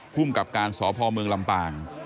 ภูมิกับการสพเมืองลำปาง